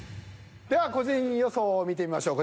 では個人予想を見てみましょう。